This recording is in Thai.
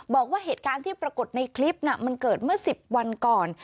บอกว่าเหตุการณ์ที่ปรากฏในคลิปน่ะมันเกิดเมื่อ๑๐วันก่อน